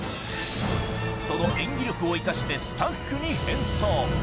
その演技力を生かして、スタッフに変装。